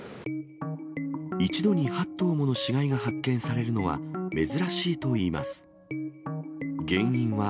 一度に８頭もの死骸が発見されるのは珍しいといいます。